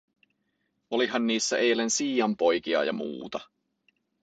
Olihan niissä eilen siianpoikia ja muuta.